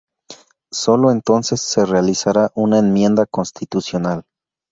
Sólo entonces se realizaría una enmienda constitucional.